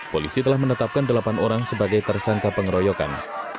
polisi telah menetapkan delapan orang sebagai tersangka pengeroyokan